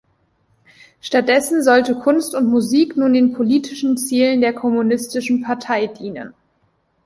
Stattdessen sollte Kunst und Musik nun den politischen Zielen der kommunistischen Partei dienen.